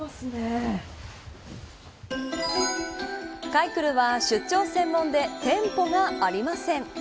買いクルは出張専門で店舗がありません。